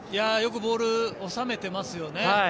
よくボールを収めていますよね。